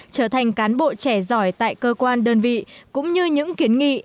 trở thành cán bộ trẻ giỏi tại cơ quan đơn vị cũng như những kiến nghị